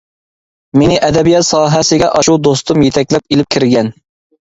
مېنى ئەدەبىيات ساھەسىگە ئاشۇ دوستۇم يېتەكلەپ ئېلىپ كىرگەن.